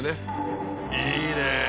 いいね！